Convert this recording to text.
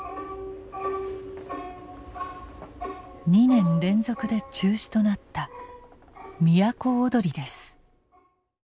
２年連続で中止となった「都をどり」です。